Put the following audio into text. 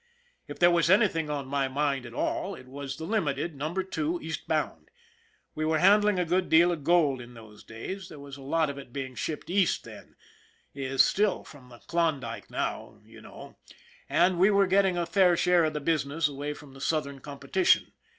If there was anything on my mind at all it was the Limited, Number Two, eastbound. We were handling a good deal of gold in those days, there was a lot of it being shipped East then is still, from the Klondyke now, you know and we were getting a fair share of the business away from the southern competition.